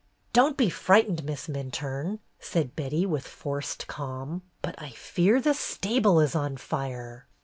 "Don't be frightened. Miss Minturne," said Betty, with forced calm, "but I fear the stable is on fire."